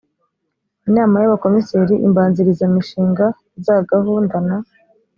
inama y abakomiseri imbanzirizamishinga za gahunda na